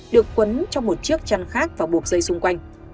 được quấn trong một chiếc chăn khác và buộc dây xung quanh